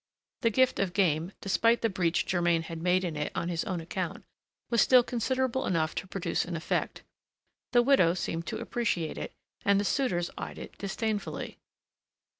The gift of game, despite the breach Germain had made in it on his own account, was still considerable enough to produce an effect. The widow seemed to appreciate it, and the suitors eyed it disdainfully.